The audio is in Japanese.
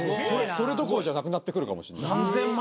それどころじゃなくなってくるかもしれないです。